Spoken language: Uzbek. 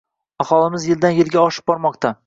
«Aholimiz yildan-yilga oshib bormoqda